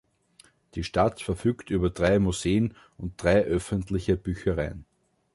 Die Stadt verfügt über drei Museen und drei öffentliche Büchereien.